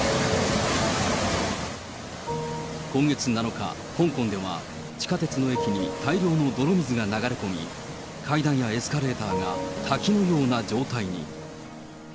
今月７日、香港では地下鉄の駅に大量の泥水が流れ込み、階段やエスカレーターが滝のような状態に。